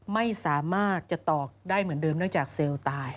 ไม่สามารถจะตอกได้เหมือนเดิมเนื่องจากเซลล์ตาย